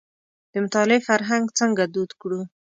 د مطالعې فرهنګ څنګه دود کړو.